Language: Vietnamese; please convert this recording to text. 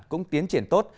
cũng tiến triển tốt